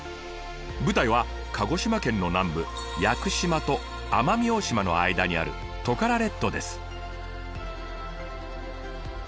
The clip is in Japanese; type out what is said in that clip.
舞台は鹿児島県の南部屋久島と奄美大島の間にあるトカラ列島です。